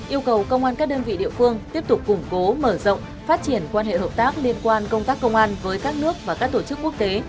yêu cầu công an các đơn vị địa phương tiếp tục củng cố mở rộng phát triển quan hệ hợp tác liên quan công tác công an với các nước và các tổ chức quốc tế